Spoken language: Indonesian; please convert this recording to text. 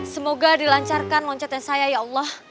semoga dilancarkan loncatnya saya ya allah